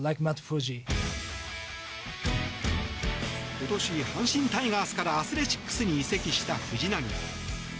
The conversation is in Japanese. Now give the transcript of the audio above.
今年、阪神タイガースからアスレチックスに移籍した藤浪。